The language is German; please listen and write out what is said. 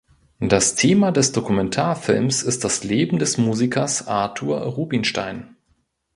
Das Thema des Dokumentarfilms ist das Leben des Musikers Artur Rubinstein.